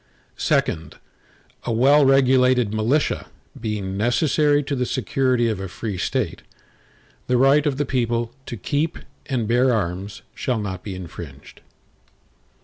II A well regulated militia, being necessary to the security of a free State, the right of the people to keep and bear arms, shall not be infringed.